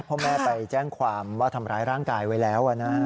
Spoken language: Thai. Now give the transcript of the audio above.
พ่อแม่ไปแจ้งความว่าทำร้ายร่างกายไว้แล้วนะ